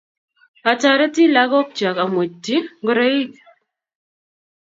Atareti lagok chok amwetchi ngoroik